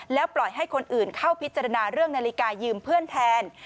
แล้วปล่อยให้คนอื่นเข้าพิจารณาเรื่องนาฬิกายืมเพื่อนแทน